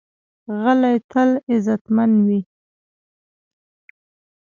غلی، تل عزتمند وي.